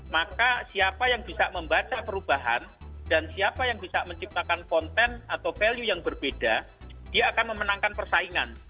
maka siapa yang bisa membaca perubahan dan siapa yang bisa menciptakan konten atau value yang berbeda dia akan memenangkan persaingan